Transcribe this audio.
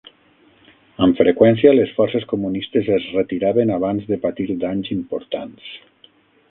Amb freqüència, les forces comunistes es retiraven abans de patir danys importants.